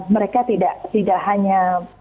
mereka tidak hanya